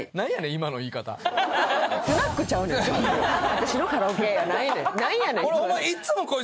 「私のカラオケ」やないねん何やねん。